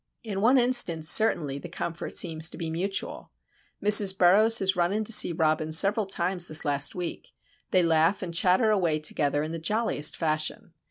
In one instance, certainly, the comfort seems to be mutual. Mrs. Burroughs has run in to see Robin several times this last week. They laugh and chatter away together in the jolliest fashion.